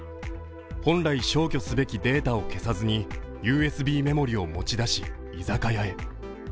本来消去すべきデータを消さずにＵＳＢメモリーを持ち出し、居酒屋へ。